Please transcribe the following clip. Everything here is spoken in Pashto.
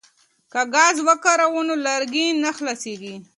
که ګاز وکاروو نو لرګي نه خلاصیږي.